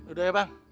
udah ya bang